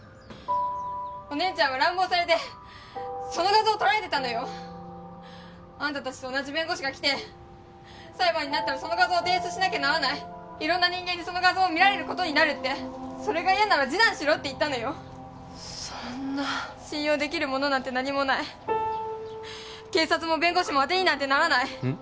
お姉ちゃんは乱暴されてその画像を撮られてたのよあんた達と同じ弁護士が来て「裁判になったらその画像を提出しなきゃならない」「色んな人間にその画像を見られることになる」って「それが嫌なら示談しろ」って言ったのよそんな信用できるものなんて何もない警察も弁護士もアテにならないうん？